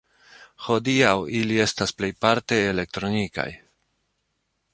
Hodiaŭ ili estas plejparte elektronikaj.